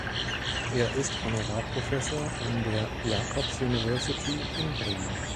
Er ist Honorarprofessor an der Jacobs University in Bremen.